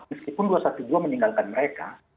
meskipun dua ratus dua belas meninggalkan mereka